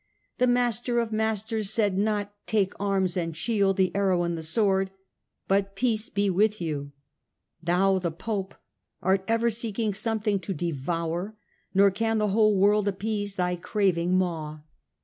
The Master of Masters said not * Take arms and shield, the arrow and the sword,' but * Peace be with you.' Thou, the Pope, art ever seeking something to devour, nor can the whole world appease thy craving maw.